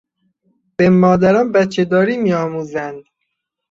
به مادران بچهداری میآموزند.